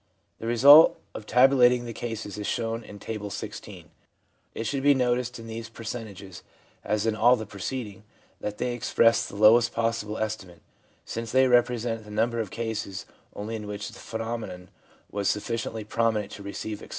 The result of tabulating the cases is shown in Table XVI. It should be noticed in these percen tages, as in all the preceding, that they express the lowest possible estimate, since they represent the number of cases only in which the phenomenon was sufficiently prominent to receive explicit mention.